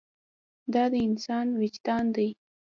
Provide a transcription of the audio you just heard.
دا د انسان وجدان دی.